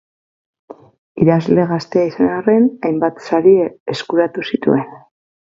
Idazle gaztea izan arren, hainbat sari eskuratu zituen.